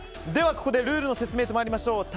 では、ここでルールの説明と参りましょう。